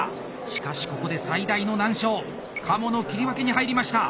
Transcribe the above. しかしここで最大の難所鴨の切り分けに入りました。